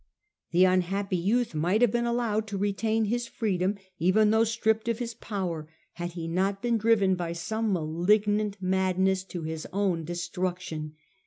The unhappy youth might have been allowed to retain his freedom, even though stripped of his power, had he not been driven by some malignant madness to his own destruction.